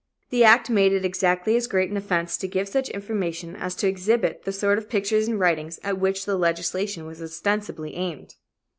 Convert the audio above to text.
The act made it exactly as great an offense to give such information as to exhibit the sort of pictures and writings at which the legislation was ostensibly aimed.